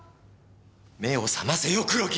目を覚ませよ黒木。